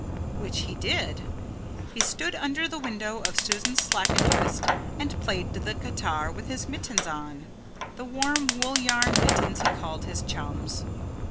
_" Which he did. He stood under the window of Susan Slackentwist and played the guitar with his mittens on, the warm wool yarn mittens he called his chums.